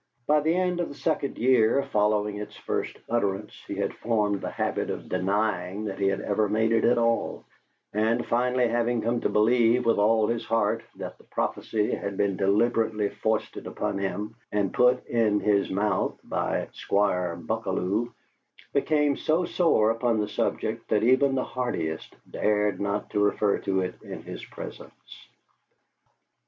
By the end of the second year following its first utterance, he had formed the habit of denying that he had ever made it at all, and, finally having come to believe with all his heart that the prophecy had been deliberately foisted upon him and put in his mouth by Squire Buckalew, became so sore upon the subject that even the hardiest dared not refer to it in his presence.